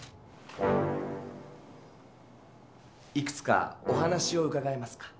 いくつかお話をうかがえますか？